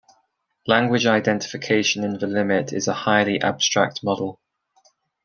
Language identification in the limit is a highly abstract model.